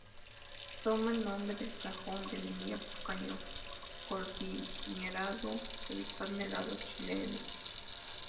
Toma el nombre del Cajón del Maipo, cañón cordillerano ubicado en el lado chileno.